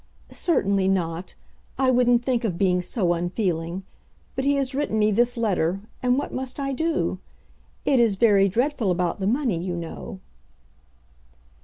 "Certainly not. I wouldn't think of being so unfeeling. But he has written me this letter, and what must I do? It is very dreadful about the money, you know."